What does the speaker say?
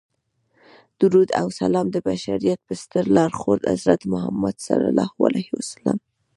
درود او سلام د بشریت په ستر لارښود حضرت محمد صلی الله علیه وسلم.